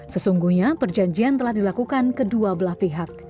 sesungguhnya perjanjian telah dilakukan kedua belah pihak